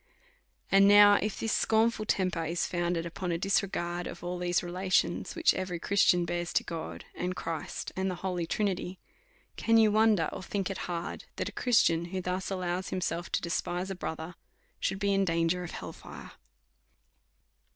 And now if this scornful temper is founded upon a dis regard of all tliese relations, which every Christian bears to God, and Christ, and the Holy Trinity, can you wonder, or think it hard, that a Christian who thus allows himself to despise a brother should be iii danger of hell fire?